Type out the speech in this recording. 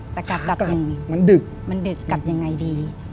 จะกลับอย่างงี้ถ้าหากลับมันดึกมันดึกก็ยังไงดี